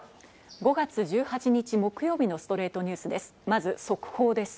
５月１８日、木曜日の『ストレイトニュース』です。